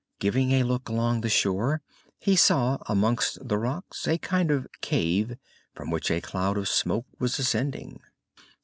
Giving a look along the shore, he saw amongst the rocks a kind of cave from which a cloud of smoke was ascending.